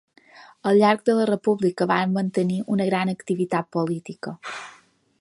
Al llarg de la República va mantenir una gran activitat política.